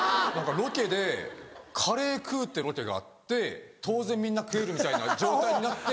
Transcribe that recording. ロケでカレー食うってロケがあって当然みんな食えるみたいな状態になって。